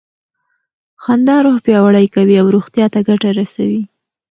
خندا روح پیاوړی کوي او روغتیا ته ګټه رسوي.